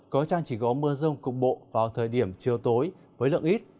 có trang trí có mưa rông cục bộ vào thời điểm chiều tối với lượng ít